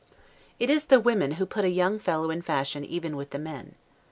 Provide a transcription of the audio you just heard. It is the women who put a young fellow in fashion even with the men.